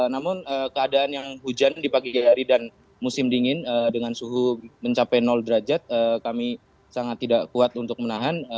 namun keadaan yang hujan di pagi hari dan musim dingin dengan suhu mencapai derajat kami sangat tidak kuat untuk menahan